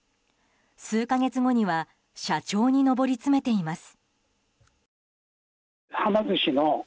数か月後には社長に上り詰めています。